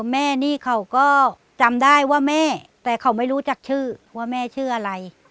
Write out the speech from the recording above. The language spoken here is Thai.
แม่นี่เขาก็จำได้ว่าแม่แต่เขาไม่รู้จักชื่อว่าแม่ชื่ออะไร